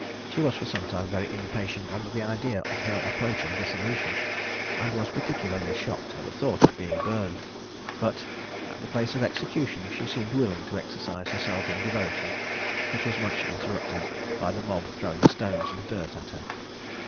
She was for some time very impatient under the idea of her approaching dissolution, and was particularly shocked at the thought of being burned; but at the place of execution, she seemed willing to exercise herself in devotion, but was much interrupted by the mob throwing stones and dirt at her.